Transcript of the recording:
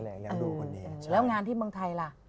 แล้วงานที่เมืองไทยล่ะ